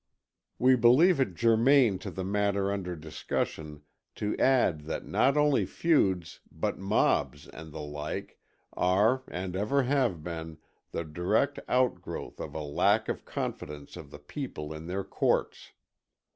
We believe it germane to the matter under discussion to add that not only feuds, but mobs and the like, are, and ever have been, the direct outgrowth of a lack of confidence of the people in their courts.